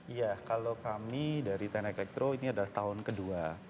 iya kalau kami dari teknik elektro ini adalah tahun kedua